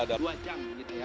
dua jam menit ya